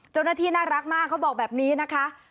เจ้าหน้าที่น่ารักมากเขาบอกแบบนี้นะคะ